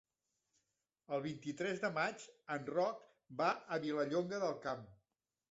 El vint-i-tres de maig en Roc va a Vilallonga del Camp.